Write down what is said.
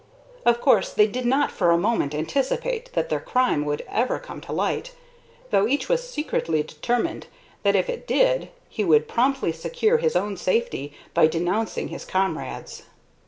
Of course they did not for a moment anticipate that their crime would ever come to light, though each was secretly determined that if it did he would promptly secure his own safety by denouncing his comrades.